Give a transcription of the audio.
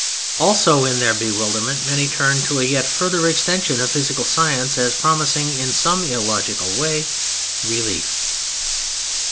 Also in their bewilderment, many turn to a yet further extension of physical science as promising, in some illogical way, relief.